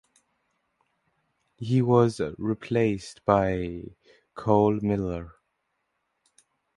He was replaced by Cole Miller.